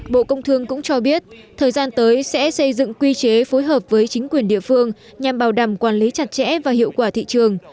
bộ công thương cũng cho biết thời gian tới sẽ xây dựng quy chế phối hợp với chính quyền địa phương nhằm bảo đảm quản lý chặt chẽ và hiệu quả thị trường